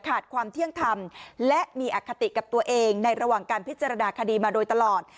ความเที่ยงธรรมและมีอคติกับตัวเองในระหว่างการพิจารณาคดีมาโดยตลอด